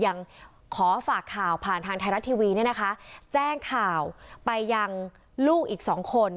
ยังขอฝากข่าวผ่านทางไทยรัฐทีวีเนี่ยนะคะแจ้งข่าวไปยังลูกอีกสองคน